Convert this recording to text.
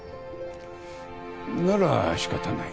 ならしかたない。